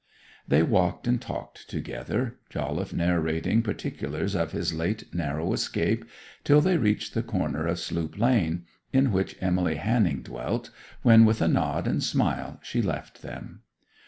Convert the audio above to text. They walked and talked together, Jolliffe narrating particulars of his late narrow escape, till they reached the corner of Sloop Lane, in which Emily Hanning dwelt, when, with a nod and smile, she left them.